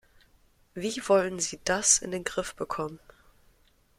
Wie wollen Sie das in den Griff bekommen?